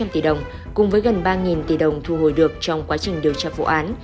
năm sáu trăm linh tỷ đồng cùng với gần ba tỷ đồng thu hồi được trong quá trình điều tra vụ án